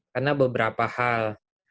karena beberapa hal